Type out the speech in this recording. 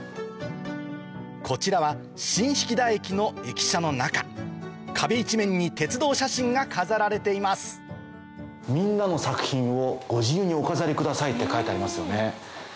こちらは新疋田駅の駅舎の中壁一面に鉄道写真が飾られています「みんなの作品をご自由にお飾りください」って書いてありますよね。